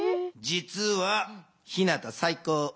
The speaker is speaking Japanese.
じつはひなた最高！